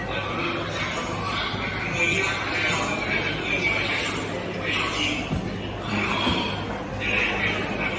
ได้รู้กันประมาณการเติบเวินความอุ่นมัน